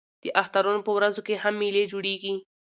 د اخترونو په ورځو کښي هم مېلې جوړېږي.